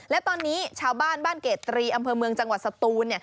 และตอนนี้ชาวบ้านบ้านเกตรีอำเภอเมืองจังหวัดสตูน